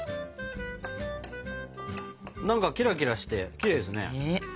何かキラキラしてきれいですね。